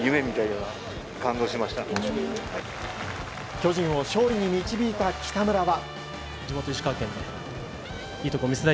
巨人を勝利に導いた北村は。